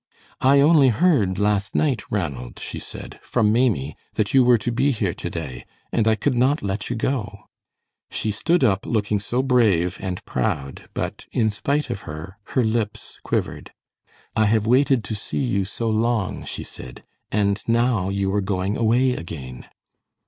"I only heard last night, Ranald," she said, "from Maimie, that you were to be here to day, and I could not let you go." She stood up looking so brave and proud, but in spite of her, her lips quivered. "I have waited to see you so long," she said, "and now you are going away again."